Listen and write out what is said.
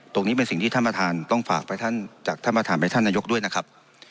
ตรงนี้เป็นสิ่งที่ท่านประธานต้องฝากไปท่านจากท่านประธานไปท่านนายกด้วยนะครับ